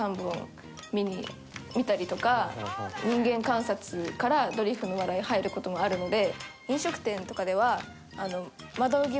人間観察からドリフの笑いが入る事もあるので。